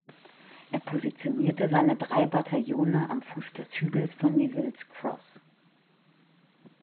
Er positionierte seine drei Bataillone am Fuße des Hügels von Neville’s Cross.